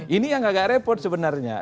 ini yang agak repot sebenarnya